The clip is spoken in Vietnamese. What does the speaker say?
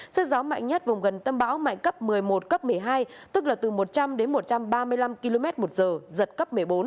sức gió mạnh nhất vùng gần tâm bão mạnh cấp một mươi một cấp một mươi hai tức là từ một trăm linh đến một trăm ba mươi năm km một giờ giật cấp một mươi bốn